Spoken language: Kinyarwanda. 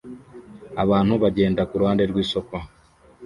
Abantu bagenda kuruhande rwisoko